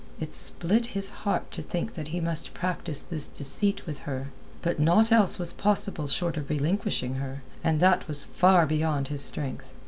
It split his heart to think that he must practise this deceit with her. But naught else was possible short of relinquishing her, and that was far beyond his strength.